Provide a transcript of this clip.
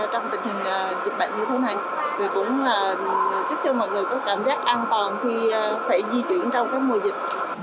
trong tình hình dịch bệnh như thế này tôi cũng là chúc cho mọi người có cảm giác an toàn khi phải di chuyển trong các mùa dịch